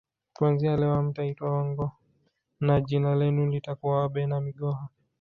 Kuanzia leo hamtaitwa Wanghoo na jina lenu litakuwa Wabena migoha